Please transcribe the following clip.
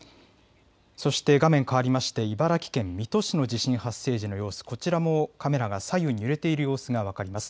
そして画面変わりまして茨城県水戸市の地震発生時の様子、こちらもカメラが左右に揺れている様子が分かります。